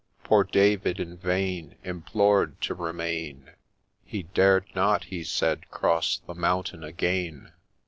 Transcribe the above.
Poor David in vain Implored to remain, He ' dared not,' he said, ' cross the mountain again.